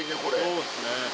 そうですね。